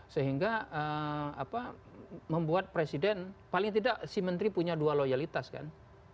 sehingga membuat presiden paling tidak si menteri punya dua loyalitas kan